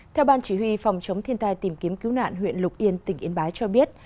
theo ban chỉ huy phòng chống thiên tai tìm kiếm cứu nạn huyện lục yên tỉnh yên bái cho biết